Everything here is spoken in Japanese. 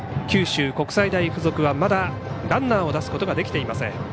九州国際大付属はまだランナーを出すことができていません。